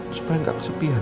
supaya gak kesepian